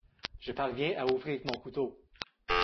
Je parviens à ouvrir mon couteau.